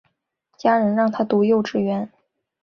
家人让她读幼稚园